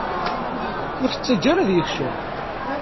Ur t-tettaǧǧa ara ad yekcem.